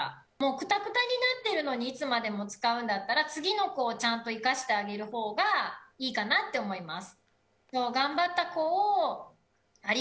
くたくたになってるのにいつまでも使うんだったら次の子をちゃんと生かしてあげるほうがいいかなと思います。